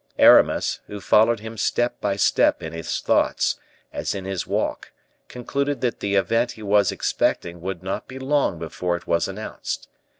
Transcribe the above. Aramis, who followed him step by step in his thoughts, as in his walk, concluded that the event he was expecting would not be long before it was announced.